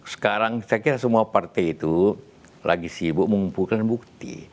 sekarang saya kira semua partai itu lagi sibuk mengumpulkan bukti